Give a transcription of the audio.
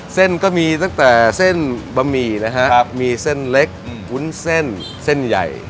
เส้นก็มีตั้งแต่เส้นบะหมี่นะครับมีเส้นเล็กวุ้นเส้นเส้นใหญ่